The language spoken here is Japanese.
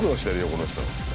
この人。